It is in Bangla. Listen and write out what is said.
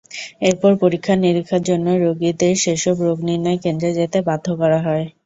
এরপর পরীক্ষা-নিরীক্ষার জন্য রোগীদের সেসব রোগনির্ণয় কেন্দ্রে যেতে বাধ্য করা হয়।